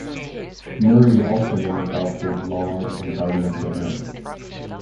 Murray also manufactured lawn and garden equipment.